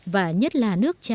và nhất là nước tràm